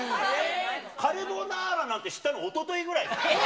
カルボナーラなんて知ったの、おとといぐらい。